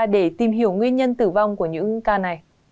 để tìm hiểu nguyên nhân tử vong của bệnh